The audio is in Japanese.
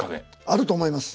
あると思います。